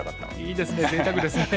いいですねぜいたくですね。